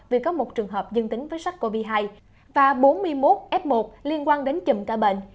vì có một trường hợp dân tính với sách covid một mươi chín và bốn mươi một f một liên quan đến chùm ca bệnh